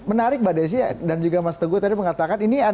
menarik mbak desy dan juga mas teguh tadi mengatakan